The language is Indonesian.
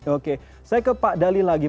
oke saya ke pak dali lagi